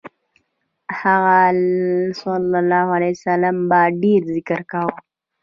هغه ﷺ به ډېر ذکر کاوه.